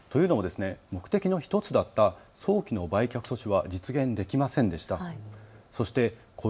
というのも目的の１つだった早期の売却阻止は実現できませんでした。